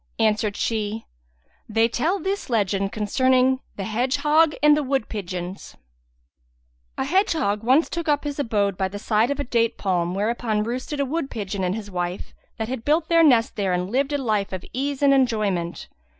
Answered she:—They tell this legend concerning THE HEDGEHOG AND THE WOOD PIGEONS A hedgehog once too up his abode by the side of a date palm, whereon roosted a wood pigeon and his wife that had built their next there and lived a life of ease and enjoyment.